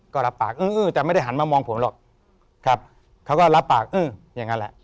ก็รับปากเออแต่ไม่ได้หันมามองผมหรอกครับเขาก็รับปากเอออย่างนั้นแหละ